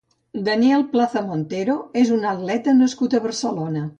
Daniel Plaza Montero és un atleta nascut a Barcelona.